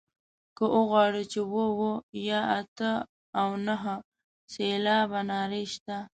که وغواړو چې اووه اووه یا اته او نهه سېلابه نارې شته.